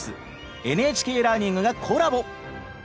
ＮＨＫラーニングがコラボ。